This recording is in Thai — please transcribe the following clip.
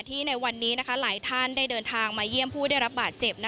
ขณะที่ในวันนี้นะคะหลายท่านได้เดินทางมาเยี่ยมผู้ได้รับบาดเจ็บนะคะ